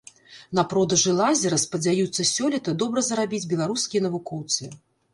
На продажы лазера спадзяюцца сёлета добра зарабіць беларускія навукоўцы.